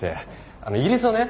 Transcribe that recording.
あのイギリスはね